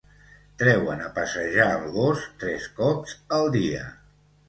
Treuen a passejar el gos tres cops al dia